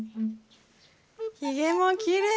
ひげもきれいまだ。